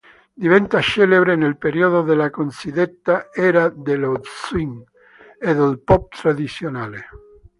Diventa celebre nel periodo della cosiddetta "era dello swing" e del pop tradizionale.